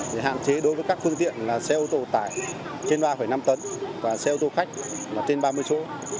để hạn chế đối với các phương tiện là xe ô tô tải trên ba năm tấn và xe ô tô khách là trên ba mươi chỗ